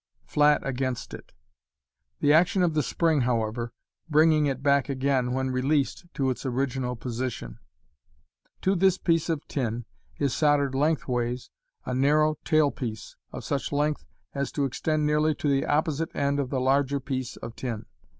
54) flat against it ; the action of the spring, however, bringing it back again, when released, to its original position. To this piece of Fig. 53. Fig. 54. MODERN MAGIC. I4» th is soldered lengthways a narrow tail piece, of such a length as to extend nearly to the opposite end of the larger pitce of tin.